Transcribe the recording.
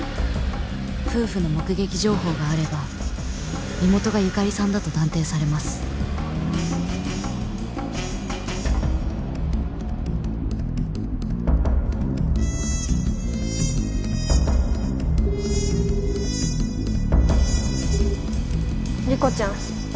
夫婦の目撃情報があれば身元が由香里さんだと断定されます理子ちゃん？